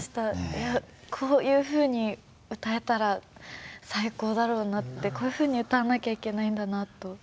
こういうふうに歌えたら最高だろうなってこういうふうに歌わなきゃいけないんだなと。